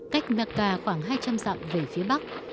cách maca khoảng hai trăm linh dặm về phía bắc